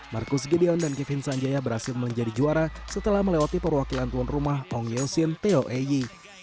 marcus gideon dan kevin sanjaya berhasil menjadi juara setelah melewati perwakilan tuan rumah ong yoshin teo eyi